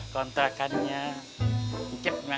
kontrakannya dikit di mana ya